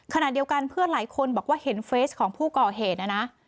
ขณะเดียวกันเพื่อนหลายคนบอกว่าเห็นเฟสของผู้ก่อเหตุนะนะ